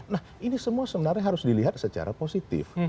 nah ini semua sebenarnya harus dilihat secara positif